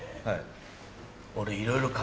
はい。